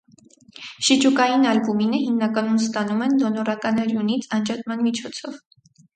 Շիճուկային ալբումինը հիմնականում ստանում են դոնորական արյունից անջատման միջոցով։